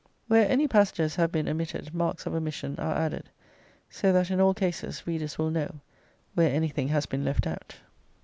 Where any passages have been omitted marks of omission are added, so that in all cases readers will know where anything has been left out.